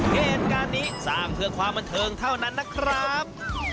เหตุการณ์นี้สร้างเพื่อความบันเทิงเท่านั้นนะครับ